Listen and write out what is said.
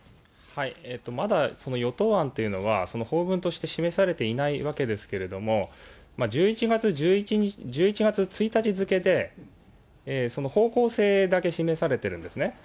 まだ与党案というのは、法文として示されていないわけですけれども、１１月１日付で、その方向性だけ示されてるんですね。